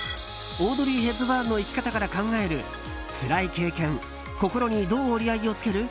オードリー・ヘプバーンの生き方から考えるつらい経験心にどう折り合いをつける？